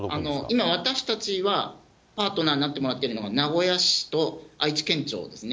今、私たちがパートナーになってもらってるのが、名古屋市と愛知県庁ですね。